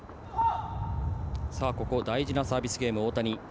大事なサービスゲーム、大谷。